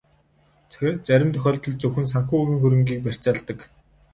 Зарим тохиолдолд зөвхөн санхүүгийн хөрөнгийг барьцаалдаг.